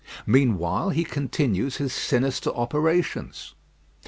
Meanwhile he continues his sinister operations.